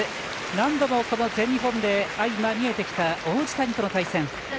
何度もこの全日本で相まみえてきた王子谷との対戦。